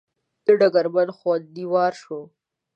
د ډګرمن ځونډي وار شو.